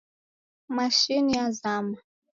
mashini yazama